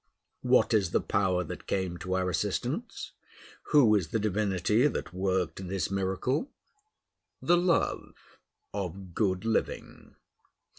What is the power that came to our assistance? Who is the divinity that worked this miracle? The love of good living.